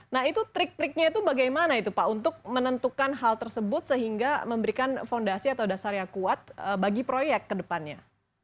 nah itu trik triknya itu bagaimana itu pak untuk menentukan hal tersebut sehingga memberikan fondasi atau dasar yang kuat bagi proyek kedepannya